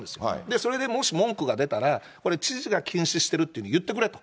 それでもし文句が出たら、これ、知事が禁止してるって言ってくれと。